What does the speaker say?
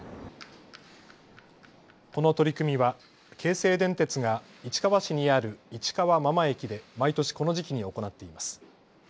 この取り組みは京成電鉄が市川市にある市川真間駅で毎年この時期に行っています。